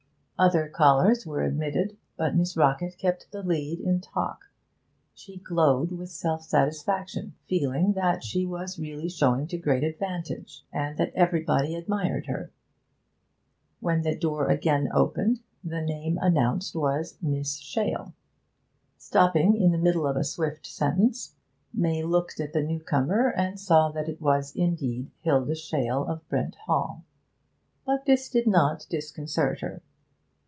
Other callers were admitted, but Miss Rockett kept the lead in talk; she glowed with self satisfaction, feeling that she was really showing to great advantage, and that everybody admired her. When the door again opened the name announced was 'Miss Shale.' Stopping in the middle of a swift sentence, May looked at the newcomer, and saw that it was indeed Hilda Shale, of Brent Hall; but this did not disconcert her.